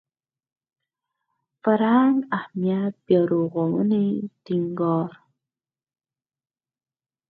فرهنګ اهمیت بیارغاونې ټینګار